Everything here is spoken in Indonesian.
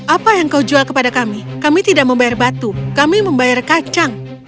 apa yang kau jual kepada kami kami tidak membayar batu kami membayar kacang